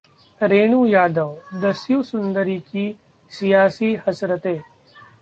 रेणु यादव: दस्यु सुंदरी की सियासी हसरतें